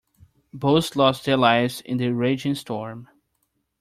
Both lost their lives in the raging storm.